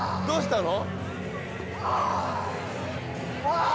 どうした？